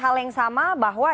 hal yang sama bahwa